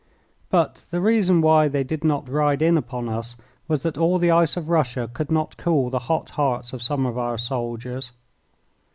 But the reason why they did not ride in upon us was that all the ice of Russia could not cool the hot hearts of some of our soldiers.